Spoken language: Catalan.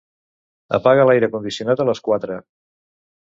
Apaga l'aire condicionat a les quatre.